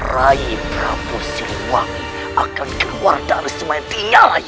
rai prabu siluwangi akan keluar dari semuanya tinggal lagi